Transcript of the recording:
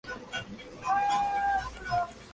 Bosques montanos.